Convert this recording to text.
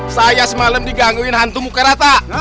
saya semalam digangguin hantu muka